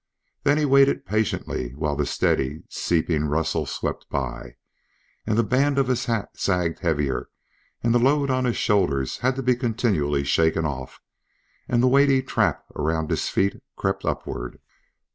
Then he waited patiently while the steady seeping rustle swept by, and the band of his hat sagged heavier, and the load on his shoulders had to be continually shaken off, and the weighty trap round his feet crept upward.